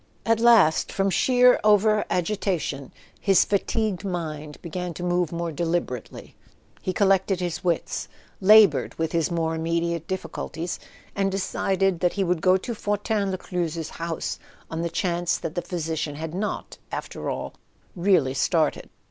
At last, from sheer over agitation, his fatigued mind began to move more deliberately: he collected his wits, laboured with his more immediate difficulties, and de¬ cided that he would go to Fortin Lescluze's house, on the chance that the physician had not, after all, really started.